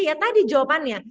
ya tadi jawabannya